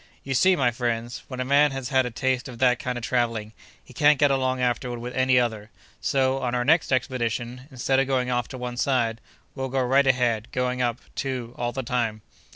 "You see, my friends, when a man has had a taste of that kind of travelling, he can't get along afterward with any other; so, on our next expedition, instead of going off to one side, we'll go right ahead, going up, too, all the time."